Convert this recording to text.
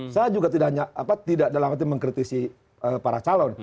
saya juga tidak dalam hati mengkritisi para calon